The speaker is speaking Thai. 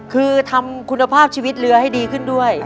คือทำคุณภาพชีวิตเรือให้ดีขึ้นด้วย